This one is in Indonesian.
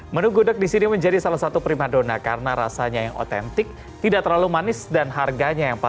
menu gudeg di sini menjadi salah satu prima dona karena rasanya yang otentik tidak terlalu manis dan harganya yang pas